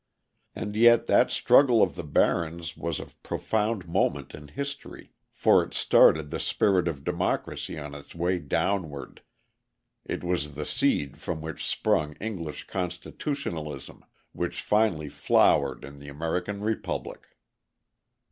And yet that struggle of the barons was of profound moment in history, for it started the spirit of democracy on its way downward, it was the seed from which sprung English constitutionalism, which finally flowered in the American republic.